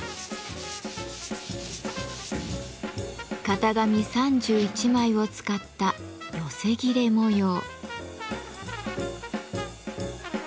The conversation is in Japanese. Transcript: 型紙３１枚を使った「寄裂模様」。